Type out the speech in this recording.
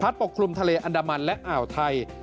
ผัดปกคลุมทะเลอนดรมันและเอ่อไทย